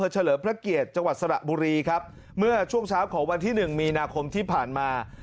เลิมพระเกียรติจังหวัดสระบุรีครับเมื่อช่วงเช้าของวันที่หนึ่งมีนาคมที่ผ่านมา